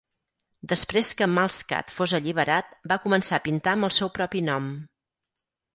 Després que Malskat fos alliberat, va començar a pintar amb el seu propi nom.